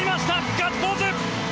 ガッツポーズ！